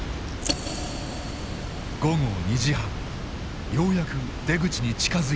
午後２時半ようやく出口に近づいてきた。